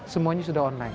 semuanya sudah online